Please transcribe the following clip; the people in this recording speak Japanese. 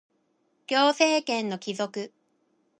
行政権の帰属